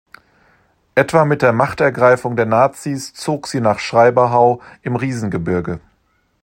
Etwa mit der Machtergreifung der Nazis zog sie nach Schreiberhau im Riesengebirge.